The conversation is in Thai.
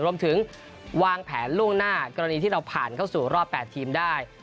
รวมถึงวางแผนล่วงหน้ากรณีที่เราผ่านเข้าสู่รอบ๘ทีมได้